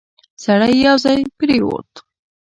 سړی یو ځای پرېووت.